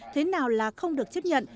thế nào là không được chấp nhận